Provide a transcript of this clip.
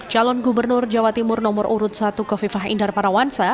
calon gubernur jawa timur nomor urut satu kofifah indar parawansa